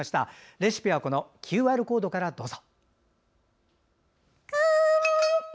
レシピはＱＲコードからどうぞ。